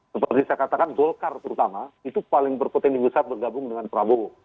seperti saya katakan golkar terutama itu paling berpotensi besar bergabung dengan prabowo